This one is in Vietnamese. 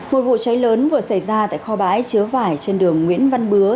một vụ cháy lớn vừa xảy ra tại kho bãi chứa vải trên đường nguyễn văn bứa